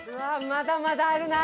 まだまだあるな。